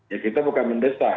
ya kita bukan mendesak